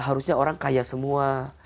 harusnya orang kaya semua